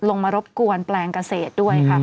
มารบกวนแปลงเกษตรด้วยค่ะ